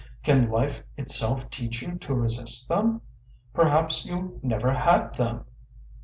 Can life itself teach you to resist them? Perhaps you never had them?"